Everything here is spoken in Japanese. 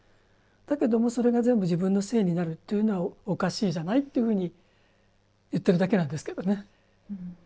だけども、それが全部自分のせいになるっていうのはおかしいじゃないというふうに言ってるだけなんですけどね。